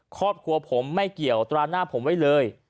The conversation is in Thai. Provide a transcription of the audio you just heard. ครอบครัวผมไม่เกี่ยวตราหน้าผมไว้เลย